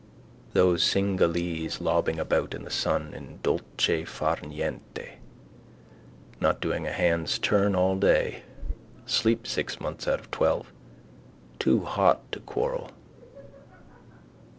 Those Cinghalese lobbing about in the sun in dolce far niente, not doing a hand's turn all day. Sleep six months out of twelve. Too hot to quarrel.